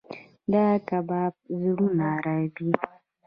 دا کباب زړونه رېبي.